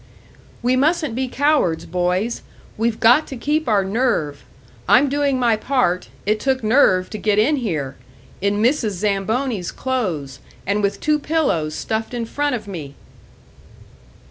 "We mustn't be cowards, boys! We've got to keep our nerve! I'm doing my part it took nerve to get in here! In Mrs. Zamboni's clothes, and with two pillows stuffed in front of me!"